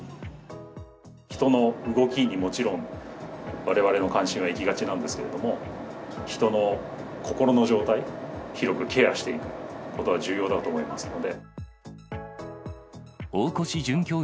人の動きにもちろん、われわれの関心は行きがちなんですけれども、人の心の状態を広くケアしていくことは重要だと思いますので。